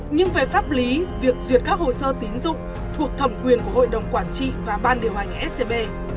nhưng về pháp lý việc duyệt các hồ sơ tín dụng thuộc thẩm quyền của hội đồng quản trị và ban điều hành scb